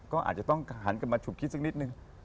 ก็อาจจะต้องหันกลับมาฉุกคิดสักนิดนึง